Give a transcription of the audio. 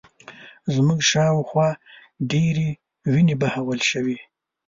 زموږ شا و خوا ډېرې وینې بهول شوې